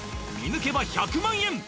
見抜けば１００万円！